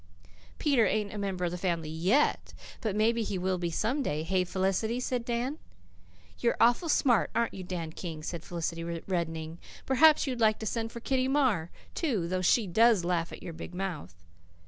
"Peter ain't a member of the family YET, but maybe he will be some day. Hey, Felicity?" said Dan. "You're awful smart, aren't you, Dan King?" said Felicity, reddening. "Perhaps you'd like to send for Kitty Marr, too though she DOES laugh at your big mouth."